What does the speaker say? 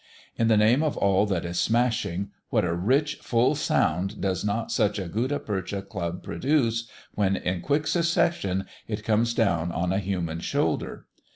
In the name of all that is smashing, what a rich full sound does not such a gutta percha club produce when in quick succession it comes down on a human shoulder.